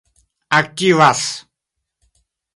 aktivas